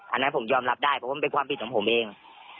อันนั้นผมยอมรับได้เพราะว่ามันเป็นความผิดของผมเอง